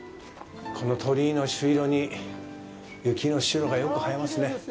この鳥居の朱色に雪の白がよくはえますね。